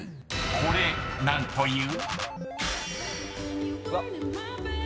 ［これ何という？］